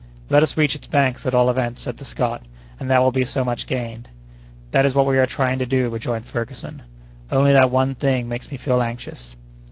"Let us reach its banks, at all events," said the Scot, "and that will be so much gained." "That is what we are trying to do," rejoined Ferguson, "only that one thing makes me feel anxious."